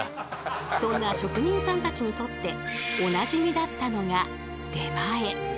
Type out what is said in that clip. そんな職人さんたちにとっておなじみだったのが出前。